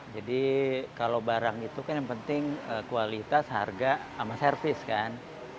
jadi kalau barang itu kan yang penting kualitas harga sama servis kan